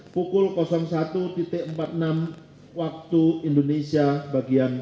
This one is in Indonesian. pukul satu empat puluh enam wib